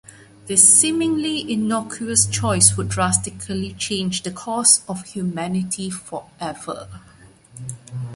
This seemingly innocuous choice would drastically change the course of humanity forever.